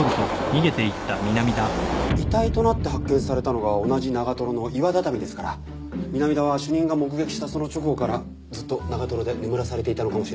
遺体となって発見されたのが同じ長の岩畳ですから南田は主任が目撃したその直後からずっと長で眠らされていたのかもしれません。